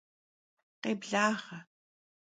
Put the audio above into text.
Khêblağe.